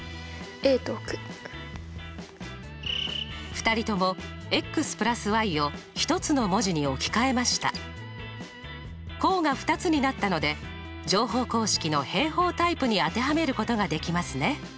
２人とも＋を一つの文字に置き換え項が２つになったので乗法公式の平方タイプに当てはめることができますね。